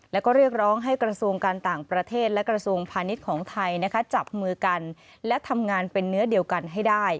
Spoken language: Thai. แล้วก็เรียกร้องให้กระทรวงการต่างประเทศและกระทรวงพาณิชย์ของไทยจับมือกันและทำงานเป็นเนื้อเดียวกันให้ได้